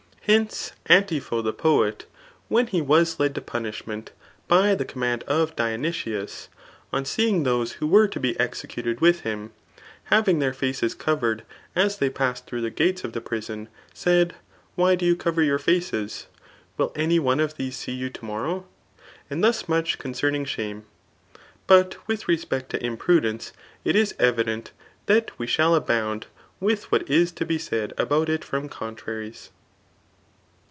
] Hence, Antipho the poet when he was led to punishment by the command of Dionysius, on seeing those who were to be executed with him, having their faces covered as they passed through the gates of the prison, said, why do you coyer your faces ? Will any one of these see you to mor row? And thus much concerning shame. But with respect to impudence, it is evident that we shall abound with what is to be said about it from contraries.